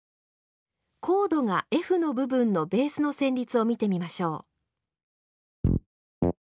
コードがＦの部分のベースの旋律を見てみましょう。